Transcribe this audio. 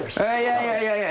いやいやいやいやいや。